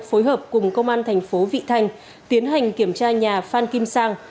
phối hợp cùng công an thành phố vị thanh tiến hành kiểm tra nhà phan kim sang